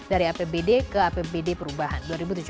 dari apbd ke apbd perubahan dua ribu tujuh belas